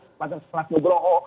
seperti kelas nugroho